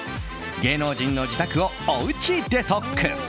芸能人の自宅をおうちデトックス。